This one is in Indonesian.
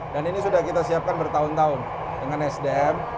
dan ini sudah kita siapkan bertahun tahun dengan sdm